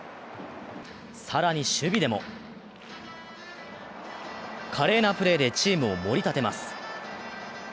更に守備でも華麗なプレーでチームをもり立てます。